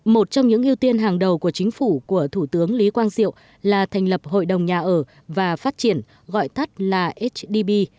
một trong những ưu tiên hàng đầu của chính phủ của thủ tướng lý quang diệu là thành lập hội đồng nhà ở và phát triển gọi tắt là hdb